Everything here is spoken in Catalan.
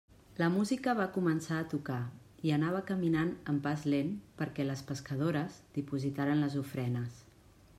La música va començar a tocar i anava caminant amb pas lent perquè les pescadores dipositaren les ofrenes.